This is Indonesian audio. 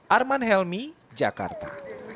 arman helmi jakarta